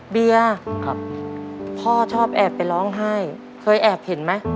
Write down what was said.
เบียร์พ่อชอบแอบไปร้องไห้เคยแอบเห็นไหม